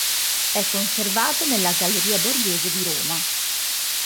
È conservato nella Galleria Borghese di Roma.